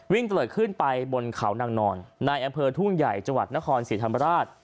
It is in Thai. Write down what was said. วิ่งตะเลิกขึ้นไปบนเขานางนอนนายอำเภอทุ่งใหญ่จนครศิษย์ธรรมราช